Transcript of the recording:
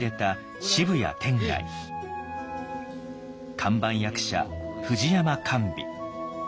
看板役者藤山寛美。